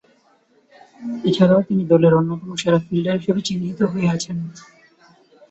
এছাড়াও তিনি দলের অন্যতম সেরা ফিল্ডার হিসেবে চিহ্নিত হয়ে আছেন।